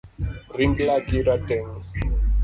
Ring laki rateng’